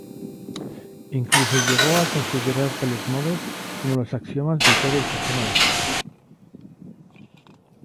Incluso llegó a considerar tales modos como los axiomas de todo el sistema lógico.